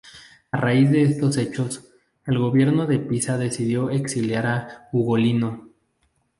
A raíz de estos hechos, el gobierno de Pisa decidió exiliar a Ugolino.